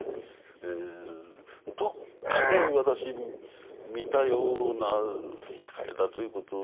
どっかで私見たような世界だということをね